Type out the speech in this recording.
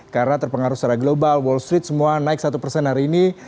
karena terpengaruh secara global wall street semua naik satu persen hari ini